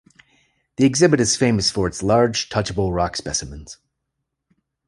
The exhibit is famous for its large, touchable rock specimens.